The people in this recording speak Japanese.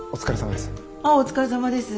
お疲れさまです。